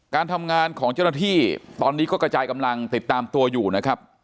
การทำงานของเจ้าหน้าที่ตอนนี้ก็กระจายกำลังติดตามตัวอยู่นะครับ